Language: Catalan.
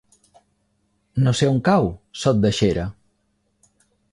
No sé on cau Sot de Xera.